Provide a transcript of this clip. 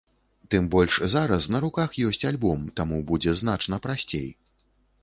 Тым больш зараз на руках ёсць альбом, таму будзе значна прасцей.